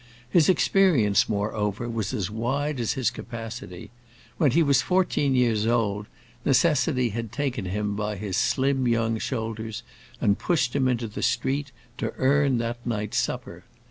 His experience, moreover, was as wide as his capacity; when he was fourteen years old, necessity had taken him by his slim young shoulders and pushed him into the street, to earn that night's supper.